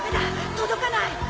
届かない！